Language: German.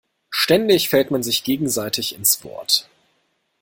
Ständig fällt man sich gegenseitig ins Wort.